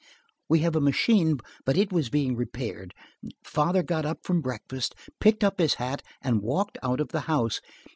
We have a machine, but it was being repaired. Father got up from breakfast, picked up his hat and walked out of the house.